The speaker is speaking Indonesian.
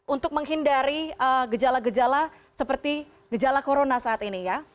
untuk menghindari gejala gejala seperti gejala corona saat ini ya